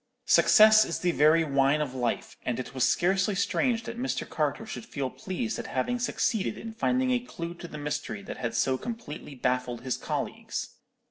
"Success is the very wine of life, and it was scarcely strange that Mr. Carter should feel pleased at having succeeded in finding a clue to the mystery that had so completely baffled his colleagues.